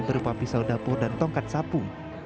berupa pisau dapur dan tongkat sapu